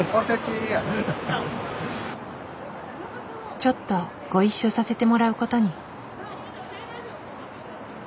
ちょっとご一緒させてもらうことに。